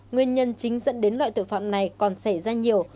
nguyên nhân chính dẫn đến loại tội phạm này còn xảy ra nhiều